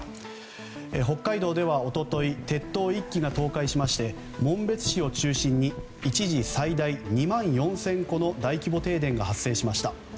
北海道では一昨日鉄塔１基が倒壊しまして紋別市を中心に一時最大２万４０００戸の大規模停電が発生しました。